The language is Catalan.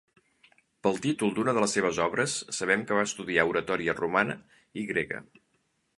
Pel títol d'una de les seves obres sabem que va estudiar oratòria romana i grega.